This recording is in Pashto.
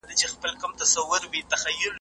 زه اوږده وخت کتاب وليکم!؟